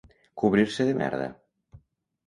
Cobrir-se de merda.